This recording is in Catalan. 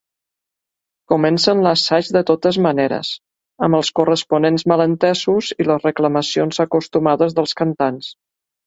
Comencen l'assaig de totes maneres, amb els corresponents malentesos i les reclamacions acostumades dels cantants.